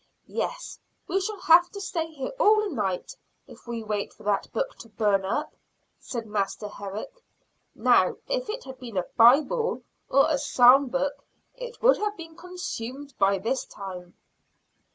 "Yes, we shall have to stay here all night, if we wait for that book to burn up," said Master Herrick. "Now if it had been a Bible, or a Psalm book, it would have been consumed by this time."